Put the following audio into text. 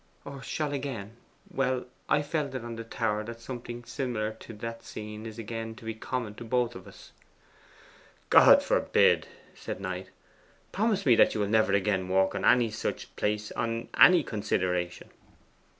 'Or shall again. Well, I felt on the tower that something similar to that scene is again to be common to us both.' 'God forbid!' said Knight. 'Promise me that you will never again walk on any such place on any consideration.